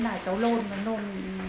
thế là may mẹ cháu cho cháu ra viện luôn